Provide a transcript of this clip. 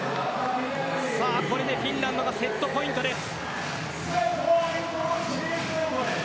これでフィンランドがセットポイントです。